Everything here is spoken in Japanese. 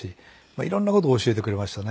いろんな事を教えてくれましたね